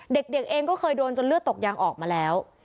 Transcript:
เด็กเองก็เคยโดนจนเลือดตกยางออกมาแล้ว